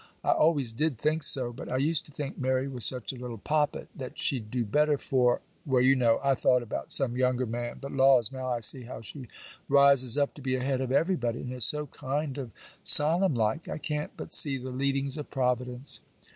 I always did think so, but I used to think Mary was such a little poppet—that she'd do better for——Well, you know, I thought about some younger man—but, laws, now I see how she rises up to be ahead of everybody, and is so kind of solemn like. I can't but see the leadings of Providence.